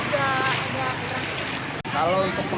sekarang kira kira ke tiga puluh km